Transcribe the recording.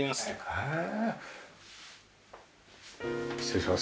へえ。